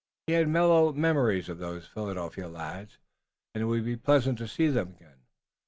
He had mellow memories of those Philadelphia lads, and it would be pleasant to see them again.